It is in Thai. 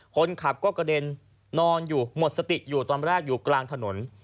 คนขับก็กระเด็นนอนอยู่หมดสติอยู่ตอนแรกอยู่กลางถนน